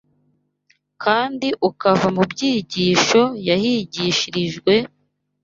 kandi ukava mu byigisho yahigishirijwe,